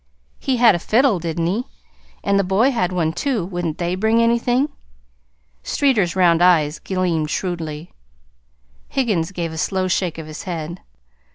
"He had a fiddle, didn't he? And the boy had one, too. Wouldn't they bring anything?" Streeter's round blue eyes gleamed shrewdly. Higgins gave a slow shake of his head.